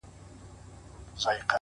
هوښیار انسان له وخت سره سیالي نه کوي’